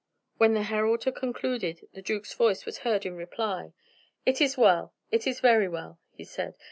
When the herald had concluded the duke's voice was heard in reply: "It is well it is very well!" he said.